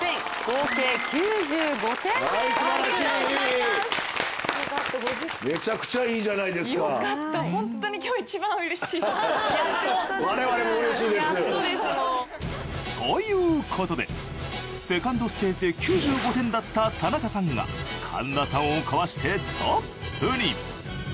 やっとですもう。ということでセカンドステージで９５点だった田中さんが神田さんをかわしてトップに。